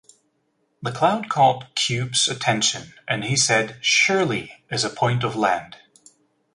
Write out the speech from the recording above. The cloud caught Kupe's attention and he said "Surely is a point of land".